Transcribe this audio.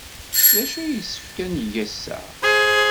D acu ay yessefk ad neg ass-a?